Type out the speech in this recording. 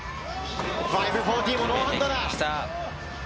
５４０もノーハンドだ。